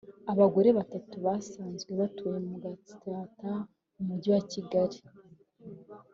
abagore batatu basanzwe batuye mu Gatsata mu Mujyi wa Kigali